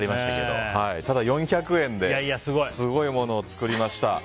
ただ、４００円ですごいものを作りました。